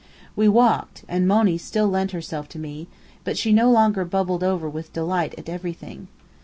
We walked, and Monny still lent herself to me; but she no longer bubbled over with delight at everything.